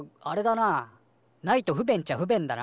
ないと不便っちゃ不便だな。